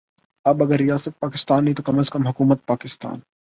اب اگر ریاست پاکستان نہیں تو کم از کم حکومت پاکستان